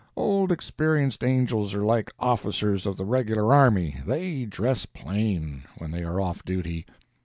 Old experienced angels are like officers of the regular army—they dress plain, when they are off duty.